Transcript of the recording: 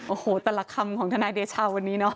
โอ้โหแต่ละคำของทนายเดชาวันนี้เนาะ